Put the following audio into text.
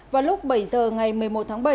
vào lúc bảy giờ ngày một mươi một tháng bảy